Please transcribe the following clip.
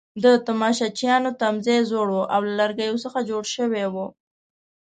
د تماشچیانو تمځای زوړ وو او له لرګو څخه جوړ شوی وو.